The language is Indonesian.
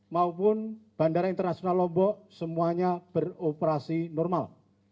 maupun bandara internasional lombok semuanya beroperasi normal